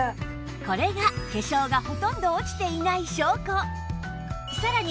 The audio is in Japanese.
これが化粧がほとんど落ちていない証拠！